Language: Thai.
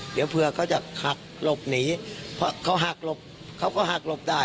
เดี๋ยวเผื่อเขาจะหักหลบหนีเพราะเขาหักหลบเขาก็หักหลบได้